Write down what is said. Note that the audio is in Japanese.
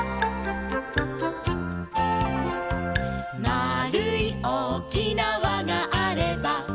「まあるいおおきなわがあれば」